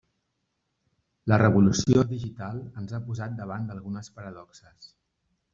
La revolució digital ens ha posat davant d'algunes paradoxes.